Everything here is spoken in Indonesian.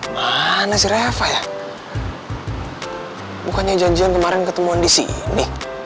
mana si reva ya bukannya janjian kemarin ketemuan disini